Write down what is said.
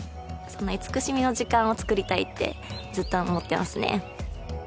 そんな慈しみの時間をつくりたいってずっと思ってますね